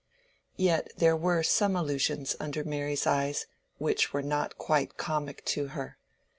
Yet there were some illusions under Mary's eyes which were not quite comic to her.